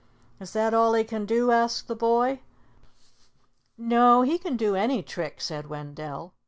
"Is that all he can do?" asked the boy. "No, he can do any trick," said Wendell.